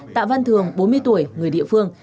tạ văn thường bốn mươi tuổi người địa phương